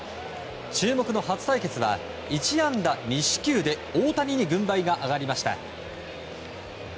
注目の初対決は１安打２四球で大谷に軍配が上がりました。